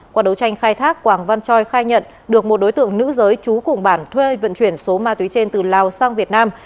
qua đấu tranh khai thác quảng văn choi khai nhận được một đối tượng nữ giới trú cùng bản thuê vận chuyển số ma túy trên từ lào sang việt nam